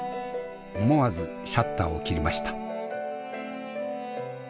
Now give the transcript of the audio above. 思わずシャッターを切りました。